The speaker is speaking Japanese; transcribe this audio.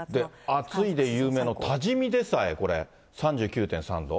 暑いで有名な多治見でさえこれ、３９．３度。